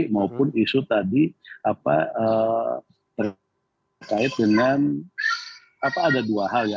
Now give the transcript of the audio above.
maupun isu tadi terkait dengan ada dua hal ya